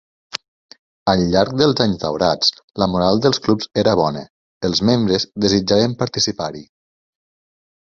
Al llarg dels anys daurats, la moral dels clubs era bona, els membres desitjaven participar-hi.